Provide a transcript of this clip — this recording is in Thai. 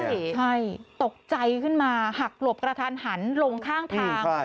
ใช่ตกใจขึ้นมาหักหลบกระทันหันลงข้างทาง